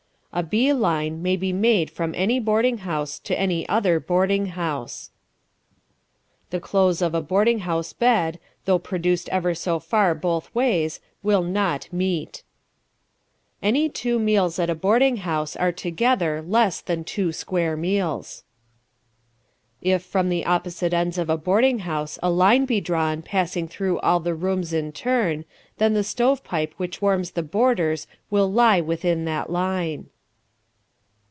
A bee line may be made from any boarding house to any other boarding house. The clothes of a boarding house bed, though produced ever so far both ways, will not meet. Any two meals at a boarding house are together less than two square meals. If from the opposite ends of a boarding house a line be drawn passing through all the rooms in turn, then the stovepipe which warms the boarders will lie within that line.